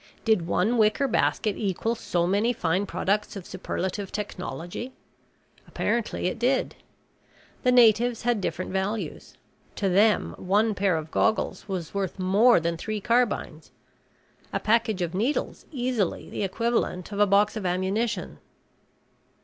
Did one wicker basket equal so many fine products of superlative technology? Apparently it did. The natives had different values. To them, one pair of goggles was worth more than three carbines, a package of needles easily the equivalent of a box of ammunition.